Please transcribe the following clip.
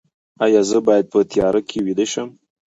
ایا زه باید په تیاره کې ویده شم؟